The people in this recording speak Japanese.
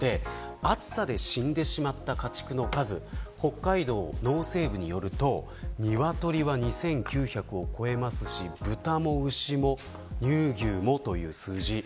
暑さで死んでしまった家畜の数北海道農政部によると鶏は２９００を超えますし豚も牛も乳牛も、という数字。